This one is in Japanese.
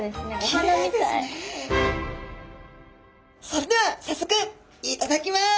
それではさっそくいただきます！